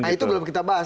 nah itu belum kita bahas